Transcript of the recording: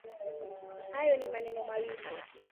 Hayo ni maneno mawili